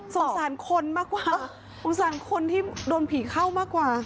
สงสารคนมากกว่าสงสารคนที่โดนผีเข้ามากกว่า